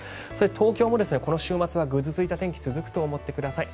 東京もこの週末はぐずついた天気が続くと思ってください。